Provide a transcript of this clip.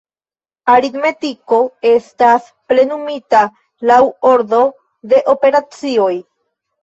Aritmetiko estas plenumita laŭ ordo de operacioj.